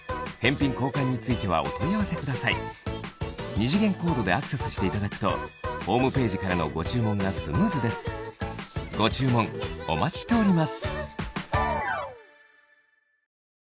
二次元コードでアクセスしていただくとホームページからのご注文がスムーズですご注文お待ちしております